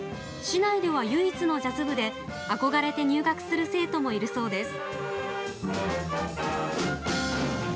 市内では唯一のジャズ部で憧れて入学する生徒もいるそうです。